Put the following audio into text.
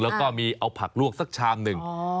แล้วก็มีเอาผักลวกสักชามหนึ่ง